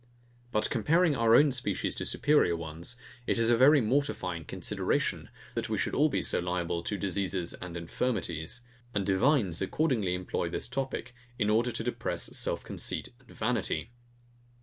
But comparing our own species to superior ones, it is a very mortifying consideration, that we should all be so liable to diseases and infirmities; and divines accordingly employ this topic, in order to depress self conceit and vanity.